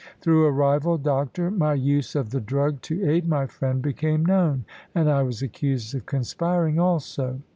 Through a rival doctor, my use of the drug to aid my friend became known, and I was accused of conspiring also.